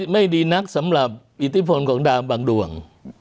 ไม่ดีนักสำหรับอิทธิพลของดาวมบางดวง